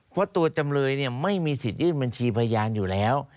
เพราะตัวจำเลยไม่มีสิทธิยื่นบัญชีพยานอยู่แล้ว